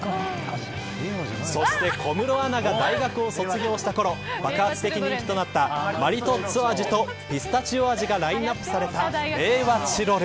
そして小室アナが大学を卒業したころ爆発的人気となったマリトッツォ味とピスタチオ味がラインアップされた令和チロル。